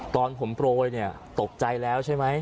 ตอนผมโปรยเนี่ยตกใจแล้วใช่ไหม